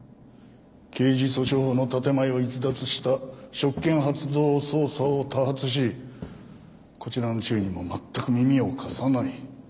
刑事訴訟法の建前を逸脱した職権発動捜査を多発しこちらの注意にもまったく耳を貸さない。